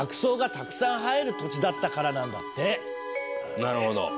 なるほど。